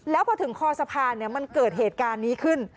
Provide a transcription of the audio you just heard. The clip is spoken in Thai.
แล้วพอถึงคอสะพานมันเกิดเหตุการณ์นี้ขึ้น